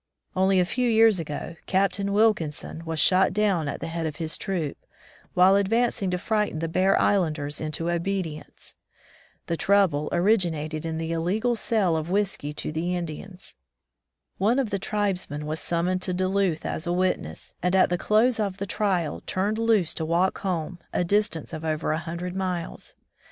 Only a few years ago. Captain Wilkinson was shot down at the head of his troop, while advancing to frighten the Bear Islanders into obedience. The trouble originated in the illegal sale of whisky to the Indians. One of the tribesmen was summoned to 170 Back to the Woods Duluth as a witness, and at the close of the trial turned loose to walk home, a distance of over a hundred miles.